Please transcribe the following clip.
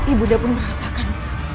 ibu sudah pun merasakan